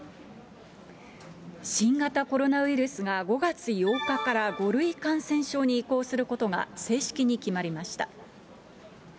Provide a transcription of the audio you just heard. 新型コロナウイルスが５月８日から５類感染症に移行することが、正式に決まりました。